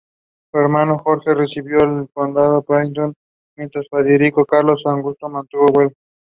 He lives in Modena with his wife Renata.